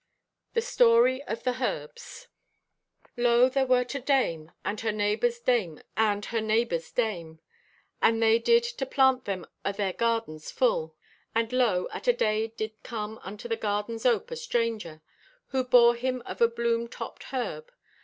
THE STORY OF THE HERBS "Lo, there wert a dame and her neighbor's dame and her neighbor's dame. And they did to plant them o' their gardens full. And lo, at a day did come unto the garden's ope a stranger, who bore him of a bloom topped herb.